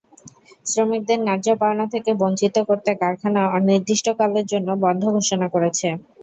শ্রমিকদের ন্যায্য পাওনা থেকে বঞ্চিত করতে কারখানা অনির্দিষ্টকালের জন্য বন্ধ ঘোষণা করেছে।